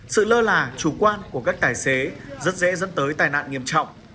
sự lơ là chủ quan của các tài xế rất dễ dẫn tới tai nạn nghiêm trọng